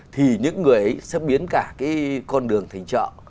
thì những người ấy sẽ biến cả cái con đường thành chợ